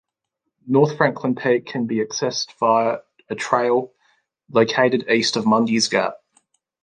North Franklin Peak can be accessed via a trail located east of Mundy's Gap.